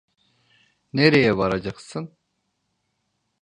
Nereye varacaksın?